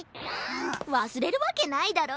わすれるわけないだろ。